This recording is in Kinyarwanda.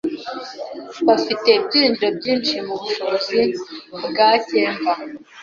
Bafite ibyiringiro byinshi mubushobozi bwa kemba.